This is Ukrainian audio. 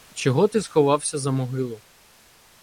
— Чого ти сховався за могилу?